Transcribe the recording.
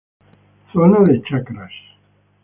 Zona de Chacras.